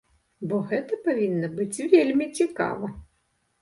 Бо гэта павінна быць вельмі цікава.